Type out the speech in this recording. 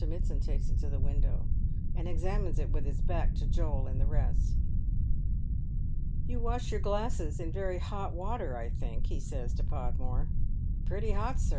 Mitsand takes it to the window, and examines it with Iub back to Joel and the rest. " You wash your glasses in very hot water, I think," he says to Podmore. " Pretty hot, sir.